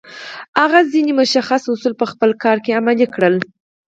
هغه ځينې مشخص اصول په خپل کار کې عملي کړل.